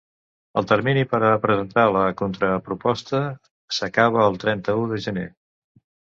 El termini per a presentar la contraproposta s’acaba el trenta-u de gener.